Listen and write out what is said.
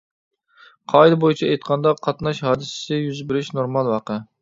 قائىدە بويىچە ئېيتقاندا قاتناش ھادىسىسى يۈز بېرىش نورمال ۋەقە.